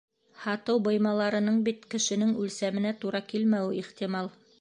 Һатыу быймаларының бит кешенең үлсәменә тура килмәүе ихтимал.